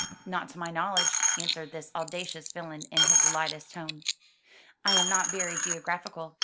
"Not to my knowledge," answered this audacious villain, in his lightest tone. "I am not very geographical.